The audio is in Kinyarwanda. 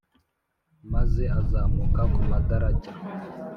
maze azamuka ku madarajya